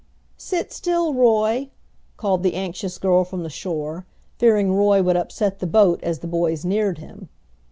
"Sit still, Roy," called the anxious girl from the shore, fearing Roy would upset the boat as the boys neared him.